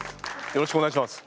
よろしくお願いします。